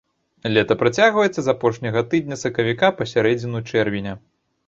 Лета працягваецца з апошняга тыдня сакавіка па сярэдзіну чэрвеня.